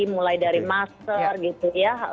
mulai dari masker gitu ya